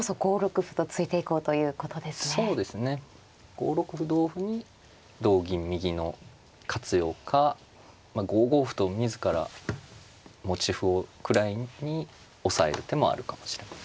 ５六歩同歩に同銀右の活用か５五歩と自ら持ち歩を位に押さえる手もあるかもしれない。